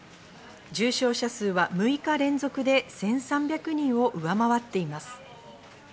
重症者数は６日連続で１３００人を上回っています。